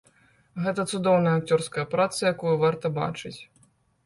Гэта цудоўная акцёрская праца, якую варта бачыць.